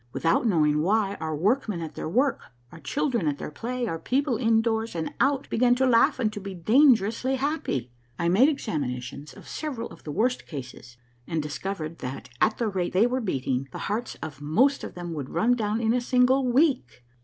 Without knowing why, our workmen at their work, our children at their play, our people in doors and out, began to laugh and to be dangerously happj''. I made examinations of several of the worst cases, and discovered that at the rate they were beating the hearts of most of them would run down in a single week.